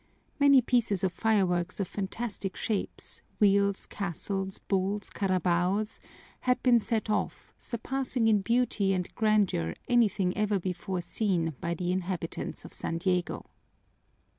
Many pieces of fireworks of fantastic shapes wheels, castles, bulls, carabaos had been set off, surpassing in beauty and grandeur anything ever before seen by the inhabitants of San Diego.